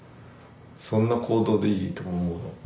「そんな行動でいい？」って俺思うの。